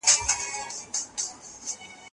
هم انارګل وي هم نوبهار وي